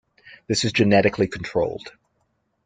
This is genetically controlled.